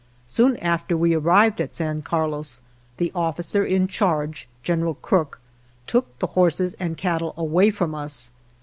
Soon after we arrived at San Carlos the officer in charge, General Crook, took the horses and cattle away from us.